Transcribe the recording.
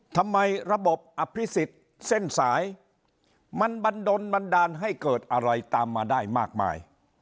ทำไมระบบอภิษฎเส้นสายมันบันดนบันดาลให้เกิดอะไรตามมาได้มากมาย